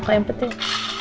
kau yang penting